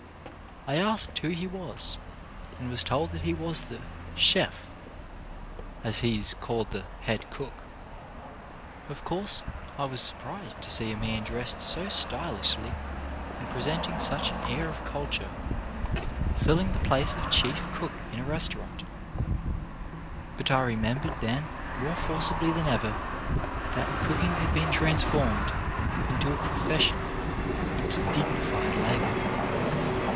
I asked who he was, and was told that he was the " chef, " as he is called — the head cook. Of course I was surprised to see a man dressed so stylishly and presenting such an air of culture, filling the place of chief cook in a restaurant, but I remembered then, more forcibly than ever, that UNIMPROVED OPPORTUNITIES 127 cooking had been transformed into a profession — into dignified labour.